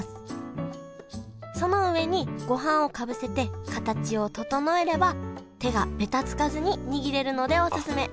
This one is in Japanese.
その上にごはんをかぶせて形を整えれば手がべたつかずに握れるのでおすすめあっ